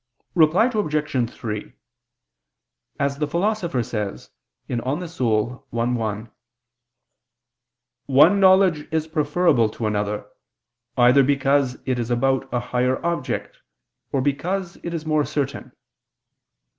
Reply Obj. 3: As the Philosopher says (De Anima i, text. 1), "one knowledge is preferable to another, either because it is about a higher object, or because it is more certain."